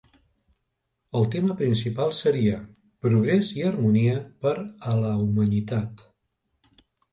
El tema principal seria "Progres i harmonia per a la humanitat".